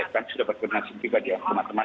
kan sudah berkenan juga ya teman teman